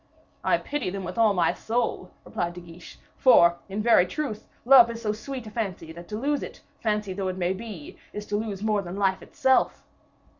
"I pity them with all my soul," replied De Guiche; "for, in very truth, love is so sweet a fancy, that to lose it, fancy though it may be, is to lose more than life itself.